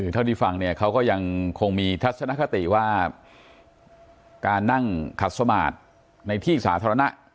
ถึงเวลาฟังเขาก็ยังคงมีทัชนคติว่าการนั่งคัดสม่าในที่สาธารณะ